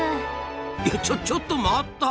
いやちょちょっと待った！